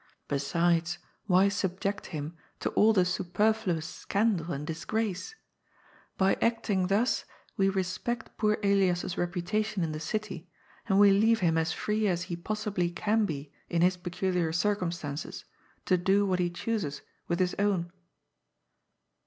Besides, why subject him to all the superfluous scandal and disgrace ? By acting thus we respect poor Elias's reputa tion in the city, and we leave him as free as he possibly can . be in his peculiar circumstances to do what he chooses with J his own."